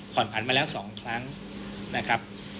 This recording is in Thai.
ขอผ่อนผันมาแล้ว๒ครั้งนะครับ